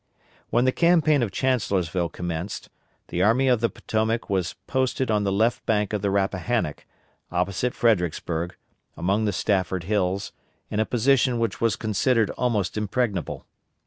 When the campaign of Chancellorsville commenced, the Army of the Potomac was posted on the left bank of the Rappahannock, opposite Fredericksburg, among the Stafford hills, in a position which was considered almost impregnable.